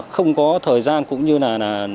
không có thời gian cũng như là